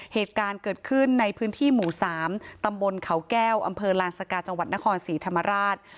เหตุการณ์เกิดขึ้นในพื้นที่หมู่๓ตำบลเขาแก้วอำเภอลานสกาจังหวัดนครศรีธรรมราช